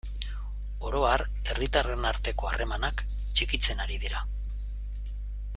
Oro har, herritarren arteko harremanak txikitzen ari dira.